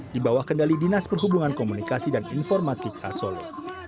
di bawah kendali dinas perhubungan komunikasi dan informatika solo